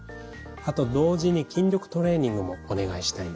あと同時に筋力トレーニングもお願いしたいんですね。